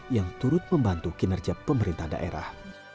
yang turut membantu kinerja pemerintah daerah